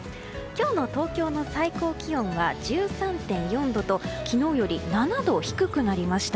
今日の東京の最高気温は１３．４度と昨日より７度低くなりました。